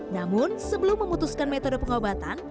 namun sebelum memutuskan metode pengobatan